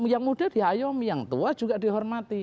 yang muda diayomi yang tua juga dihormati